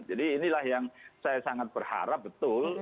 jadi inilah yang saya sangat berharap betul